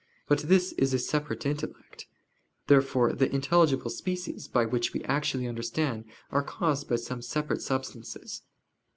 But this is a separate intellect. Therefore the intelligible species, by which we actually understand, are caused by some separate substances.